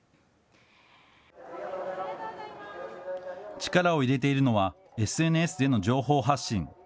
力を入れているのはＳＮＳでの情報発信。